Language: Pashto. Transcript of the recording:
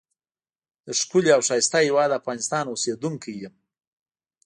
دښکلی او ښایسته هیواد افغانستان اوسیدونکی یم.